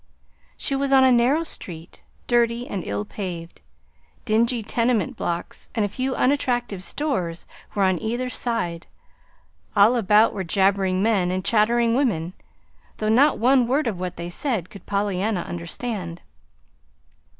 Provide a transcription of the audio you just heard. She was on a narrow street, dirty, and ill paved. Dingy tenement blocks and a few unattractive stores were on either side. All about were jabbering men and chattering women though not one word of what they said could Pollyanna understand.